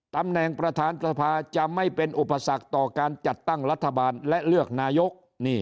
ตำแหน่งประธานสภาจะไม่เป็นอุปสรรคต่อการจัดตั้งรัฐบาลและเลือกนายก